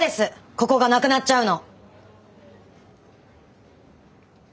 ここがなくなっちゃうの。